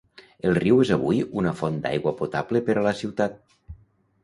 El riu és avui una font d'aigua potable per a la ciutat.